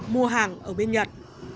mua hàng ở bên nhật